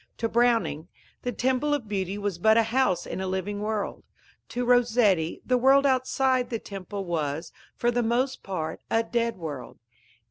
To Browning, the temple of beauty was but a house in a living world; to Rossetti, the world outside the temple was, for the most part, a dead world.